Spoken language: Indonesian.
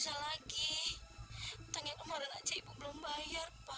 tanggung jawab emar anaknya ibu belum bayar pak